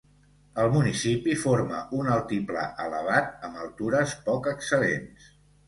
El municipi forma un altiplà elevat amb altures poc excel·lents.